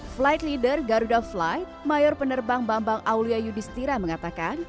flight leader garuda flight mayor penerbang bambang aulia yudhistira mengatakan